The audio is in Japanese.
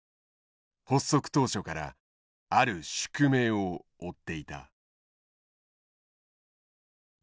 発足当初からある宿命を負っていた。